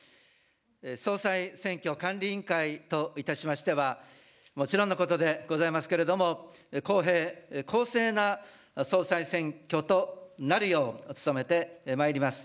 総裁選挙管理委員会といたしましては、もちろんのことでございますけれども、公平・公正な総裁選挙となるよう、努めてまいります。